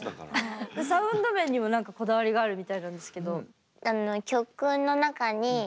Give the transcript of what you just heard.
サウンド面にも何かこだわりがあるみたいなんですけど。